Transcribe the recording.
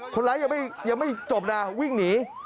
คนร้ายยังไม่จบนะวิ่งหนี